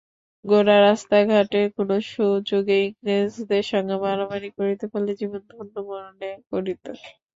গোরা রাস্তায় ঘাটে কোনো সুযোগে ইংরেজের সঙ্গে মারামারি করিতে পারিলে জীবন ধন্য মনে করিত।